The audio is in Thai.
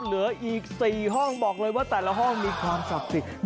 เหลืออีก๔ห้องบอกเลยว่าแต่ละห้องมีความศักดิ์สิทธิ์